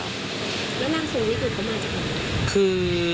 แล้วร่างทรงนี่คือเขามาจากไหน